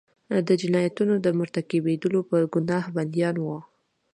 د جنایتونو مرتکبیدلو په ګناه بندیان وو.